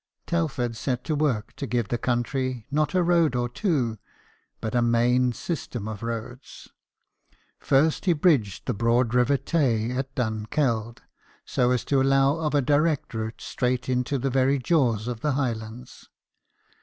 Telford set to work to give the country, not a road or two, but a main system of roads. First, he bridged the broad river Tay at Dunkeld, so as to allow of a direct route straight into the very jaws of the Highlands.